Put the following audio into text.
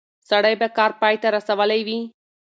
سړی به کار پای ته رسولی وي.